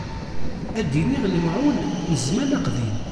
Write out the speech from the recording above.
Ad d-iniɣ lemɛun n zzman aqdim.